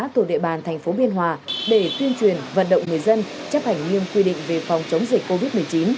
tổ địa bàn tp biên hòa để tuyên truyền vận động người dân chấp hành nghiêm quy định về phòng chống dịch covid một mươi chín